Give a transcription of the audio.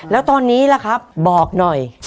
แล้วตอนนี้ล่ะครับบอกหน่อย